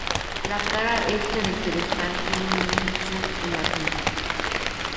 La cara este del pedestal tiene una inscripción en latín.